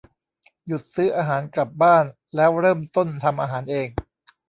หยุดซื้ออาหารกลับบ้านแล้วเริ่มต้นทำอาหารเอง